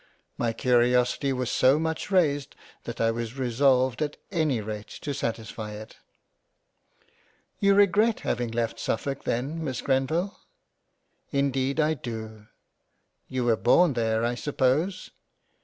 My Curiosity was so much raised, that I was resolved at any rate to satisfy it. " You regret having left Suffolk then Miss Grenville ?"" Indeed I do." " You were born there I suppose